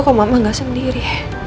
kalo mama gak sendiri